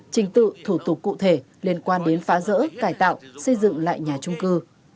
trình tự thủ tục cụ thể liên quan đến phá rỡ cải tạo xây dựng lại nhà trung cư